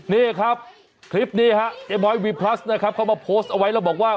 นี่ครับคลิปนี้ฮะเจ๊บ้อยวีพลัสนะครับเขามาโพสต์เอาไว้แล้วบอกว่า